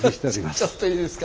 ちょっといいですか？